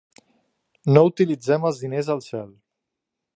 No utilitzem els diners al cel.